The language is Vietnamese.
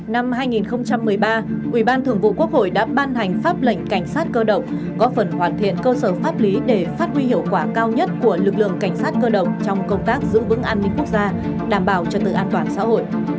năm hai nghìn một mươi ba ubthqh đã ban hành pháp lệnh cảnh sát cơ động có phần hoàn thiện cơ sở pháp lý để phát huy hiệu quả cao nhất của lực lượng cảnh sát cơ động trong công tác giữ vững an ninh quốc gia đảm bảo trật tự an toàn xã hội